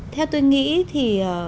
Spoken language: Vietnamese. theo tôi nghĩ thì